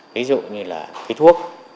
ví dụ như là cây thuốc